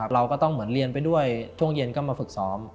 เราก็ต้องเหมือนเรียนไปด้วยช่วงเย็นก็มาฝึกซ้อม